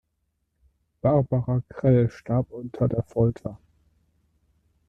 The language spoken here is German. Barbara Krell starb unter der Folter.